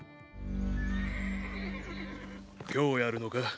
今日やるのか？